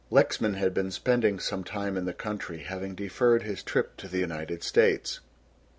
Lexman had been spending some time in the country, having deferred his trip to the United States.